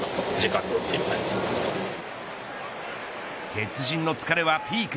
鉄人の疲れはピーク。